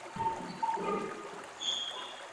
克雷佩人口变化图示